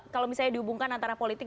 kalau misalnya dihubungkan antara politik